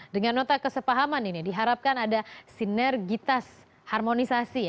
dengan nota kesepahaman ini diharapkan ada sinergitas harmonisasi